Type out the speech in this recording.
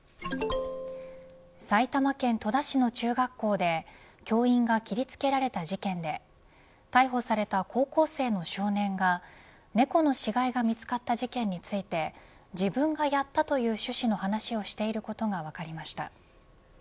埼玉県戸田市の中学校で教員が切りつけられた事件で逮捕された高校生の少年が猫の死骸が見つかったことについて自分がやったという趣旨の話をしていることが分かりました。